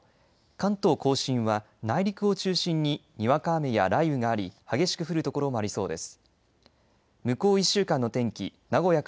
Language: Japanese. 関東甲信は内陸を中心ににわか雨や雷雨があり激しく降る所もありそうです。